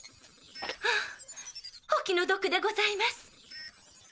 お気の毒でございます。